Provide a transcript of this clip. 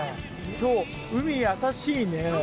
今日海やさしいね。